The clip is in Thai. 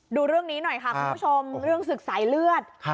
ดูเรื่องนี้หน่อยค่ะคุณผู้ชมเรื่องศึกสายเลือด